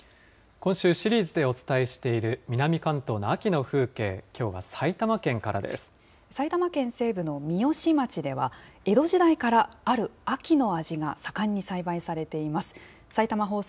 今週、シリーズでお伝えしている南関東の秋の風景、きょうは埼玉県西部の三芳町では、江戸時代から、ある秋の味が盛んに栽培されています。